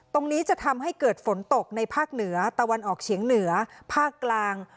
ตรงนี้จะทำให้เกิดฝนตกในภาคเหนือตะวันออกเฉียงเหนือภาคกลาง